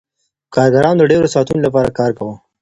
کارګرانو د ډیرو ساعتونو لپاره کار کاوه.